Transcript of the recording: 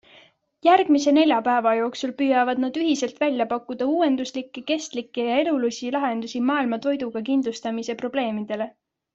Järgmise nelja päeva jooksul püüavad nad ühiselt välja pakkuda uuenduslikke, kestlikke ja elulisi lahendusi maailma toiduga kindlustamise probleemidele.